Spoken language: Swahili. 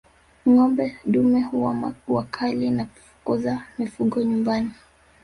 Ngombe dume huwa wakali na kufukuza mifugo nyumbani